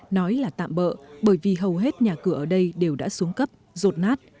nói là tạm bỡ bởi vì hầu hết nhà cửa ở đây đều đã xuống cấp rột nát